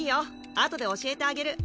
あとで教えてあげる。